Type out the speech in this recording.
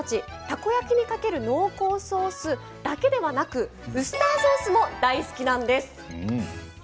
たこ焼きにかける濃厚ソースだけではなくウスターソースも大好きなんです。